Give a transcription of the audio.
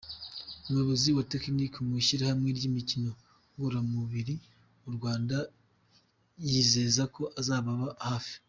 Umuyobozi wa technique mu ishyirahamwe ry’imikino ngororamubiri mu Rwanda yizeza ko azababa hafi.